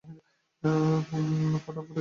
ফটাফট একটা ছবি তুলি আপনার?